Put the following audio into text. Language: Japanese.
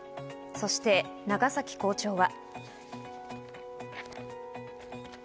そして長崎校長は。